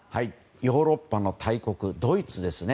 ヨーロッパの大国ドイツですね。